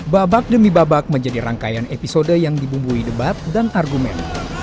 babak demi babak menjadi rangkaian episode yang dibumbui debat dan argumen